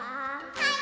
はい！